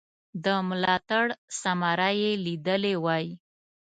د ملاتړ ثمره یې لیدلې وای.